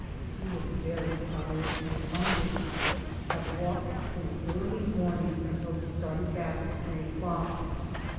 He was very tired and hungry; had walked since early morning until he started back at three o'clock.